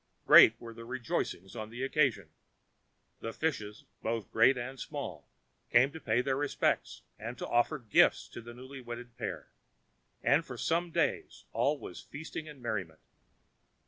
Great were the rejoicings on the occasion. The fishes, both great and small, came to pay their respects, and to offer gifts to the newly wedded pair; and for some days all was feasting and merriment.